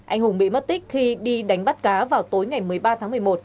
anh hùng bị mất tích khi đi đánh bắt cá vào tối ngày một mươi ba tháng một mươi một